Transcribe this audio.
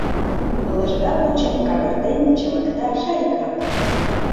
Лыжга почым кагыртен, чымыкта Шарикат.